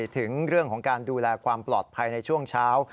ถึงเรื่องของการดูแลความปลอดภัยในช่วงเช้า